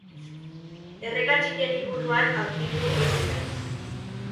Erreka txikien inguruan aurkitu ohi dira.